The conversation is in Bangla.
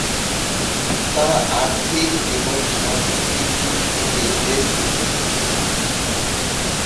তারা আর্থিক এবং সাংস্কৃতিক দিক থেকে বেশ উন্নত ছিলেন।